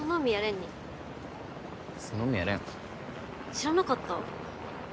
知らなかった？